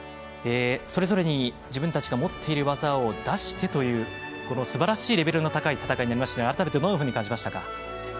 それぞれに自分たちが持っている技を出してというすばらしいレベルの高い戦いになりましたが改めて、どのように感じましたか。